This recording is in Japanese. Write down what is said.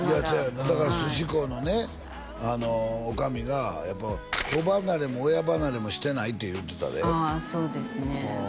まだだから鮨幸のね女将がやっぱ子離れも親離れもしてないって言うてたでああそうですね